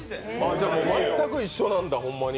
全く一緒なんだ、ホンマに。